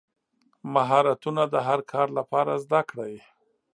مهارتونه د هر کار لپاره زده کړئ.